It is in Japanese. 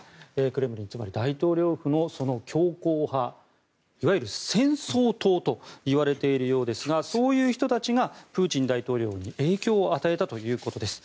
クレムリンつまり大統領府のその強硬派いわゆる戦争党といわれているそうですがそういう人たちがプーチン大統領に影響を与えたということです。